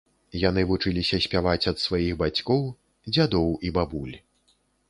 Яны вучыліся спяваць ад сваіх бацькоў, дзядоў і бабуль.